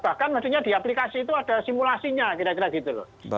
bahkan maksudnya di aplikasi itu ada simulasinya kira kira gitu loh